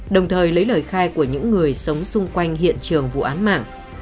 đồng thời lấy lời khai của những người sống xung quanh hiện trường vụ án mạng